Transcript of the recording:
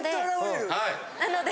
なので。